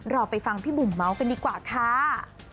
รอไปฟังพี่บุ๋มเมาส์กันดีกว่าค่ะ